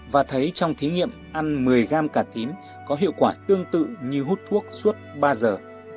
và thấy trong thí nghiệm ăn một mươi gam cà tín có hiệu quả tương tự như hút thuốc suốt ba giờ